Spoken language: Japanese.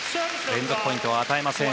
連続ポイントは与えません。